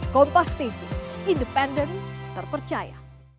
kompas tv independen terpercaya